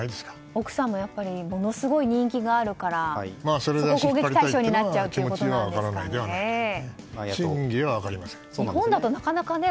奥さんもものすごい人気があるからそこが攻撃対象になっちゃうってことですかね。